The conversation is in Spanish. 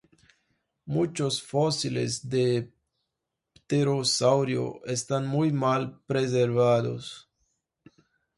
Muchos fósiles de pterosaurio están muy mal preservados.